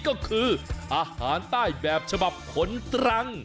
ก็คืออาหารใต้แบบฉบับขนตรัง